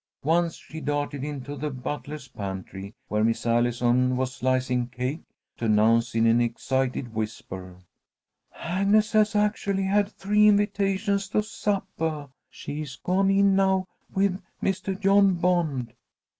Once she darted into the butler's pantry, where Miss Allison was slicing cake, to announce, in an excited whisper: "Agnes has actually had three invitations to suppah. She's gone in now with Mistah John Bond.